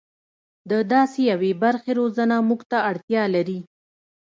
د داسې یوې برخې روزنه موږ ته اړتیا لري.